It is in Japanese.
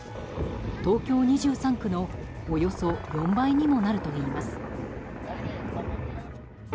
東京２３区のおよそ４倍にもなるといいます。